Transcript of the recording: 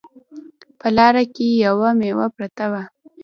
په لاره کې یوه میوه پرته وه